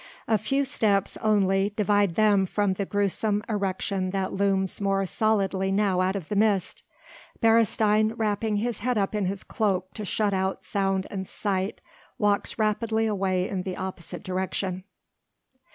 A few steps only divide them from the gruesome erection that looms more solidly now out of the mist. Beresteyn, wrapping his head up in his cloak to shut out sound and sight, walks rapidly away in the opposite direction.